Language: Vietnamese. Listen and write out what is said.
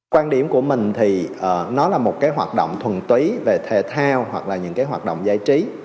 quan điểm của mình thì nó là một cái hoạt động thuần túy về thể thao hoặc là những cái hoạt động giải trí